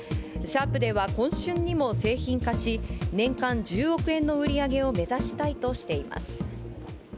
シャープでは今春にも製品化し、年間１０億円の売り上げを目指したいとしています。